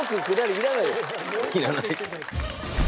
いらない。